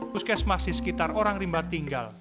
puskes masih sekitar orang rimba tinggal